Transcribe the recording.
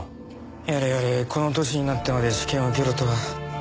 やれやれこの歳になってまで試験を受けるとは。